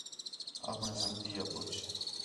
آپݨے سنڳتی آ پُچھ